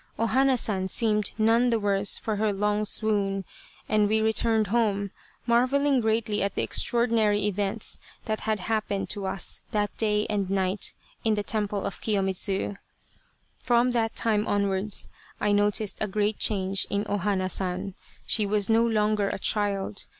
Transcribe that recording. O Hana San seemed none the worse for her long swoon, and we returned home, marvelling greatly at the extraordinary events that had happened to us that day and night in the temple of Kiyomidzu. '' From that time onwards I noticed a great change in O Hana San. She was no longer a child.